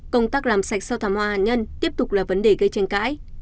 công tác làm sạch sau thảm họa hạn nhân tiếp tục là vấn đề gây tranh cãi